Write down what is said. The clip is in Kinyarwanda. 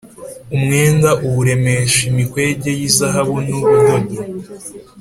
Umwenda uwuremeshe imikwege y’izahabu n’ubudodo